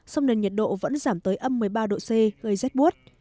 xong nên nhiệt độ vẫn giảm tới âm một mươi ba độ c gây rét buốt